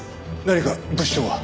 何か物証は？